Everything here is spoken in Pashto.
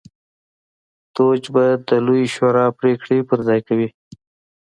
دوج به د لویې شورا پرېکړې پر ځای کوي